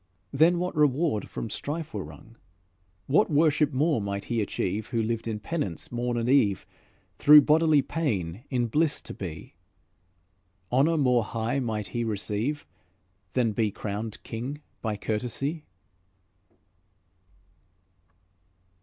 Then what reward from strife were wrung? What worship more might he achieve Who lived in penance morn and eve, Through bodily pain in bliss to be? Honour more high might he receive, Than be crowned king by courtesy?"